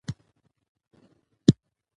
یوه ورځ یې وو مېړه ستړی راغلی